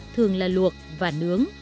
thường là luộc và nướng